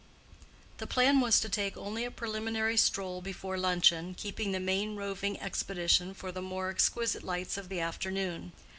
The plan was to take only a preliminary stroll before luncheon, keeping the main roving expedition for the more exquisite lights of the afternoon.